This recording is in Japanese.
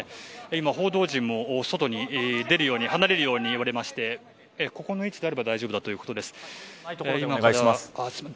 今、報道陣も外に出るように離れるように言われましてここの位置であれば大丈夫だということです。